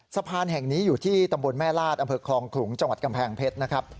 สะพานแห่งนี้อยู่ที่ตำบลแม่ลาดอำเภอคลองขลุงจังหวัดกำแพงเพชรนะครับ